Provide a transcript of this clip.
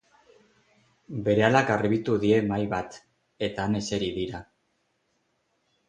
Berehala garbitu die mahai bat eta han eseri dira.